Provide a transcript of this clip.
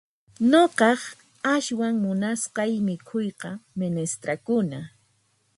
Nuqaq ashwan munasqay mikhuyqa menestrakuna